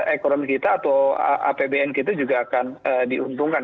ekonomi kita atau apbn kita juga akan diuntungkan